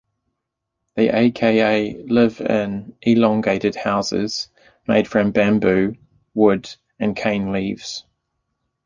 The Aka live in elongated houses made from bamboo, wood and cane leaves.